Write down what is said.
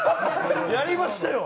やりましたよ。